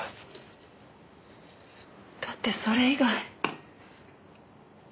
だってそれ以外。